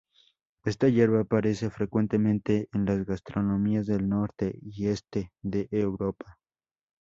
Esta hierba aparece frecuentemente en las gastronomías del norte y este de Europa.